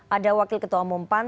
ada wakil ketua umum pan